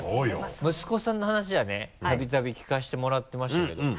息子さんの話はねたびたび聞かせてもらってましたけど。